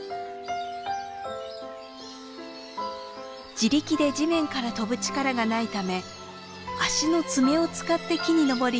自力で地面から飛ぶ力がないため足の爪を使って木に登り